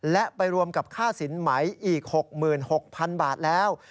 และไปรวมกับค่าสินไหมอีก๖๖๐๐๐บาทแล้ว